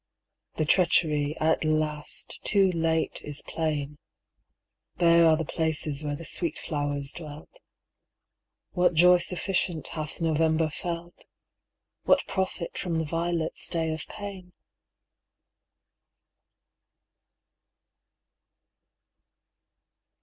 The treachery, at last, too late, is plain; Bare are the places where the sweet flowers dwelt. What joy sufficient hath November felt? What profit from the violet's day of pain?